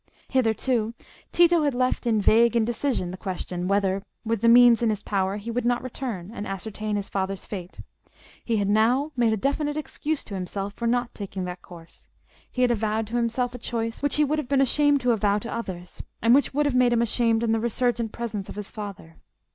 Hitherto Tito had left in vague indecision the question whether, with the means in his power, he would not return, and ascertain his father's fate; he had now made a definite excuse to himself for not taking that course; he had avowed to himself a choice which he would have been ashamed to avow to others, and which would have made him ashamed in the resurgent presence of his father.